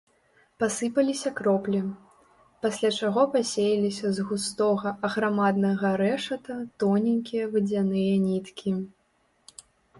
Пасыпаліся кроплі, пасля чаго пасеяліся з густога аграмаднага рэшата тоненькія вадзяныя ніткі.